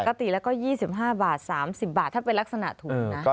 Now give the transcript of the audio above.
ปกติแล้วก็๒๕บาท๓๐บาทถ้าเป็นลักษณะถุงนะ